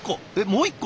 もう一個？